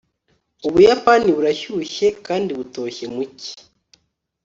ubuyapani burashyushye kandi butoshye mu cyi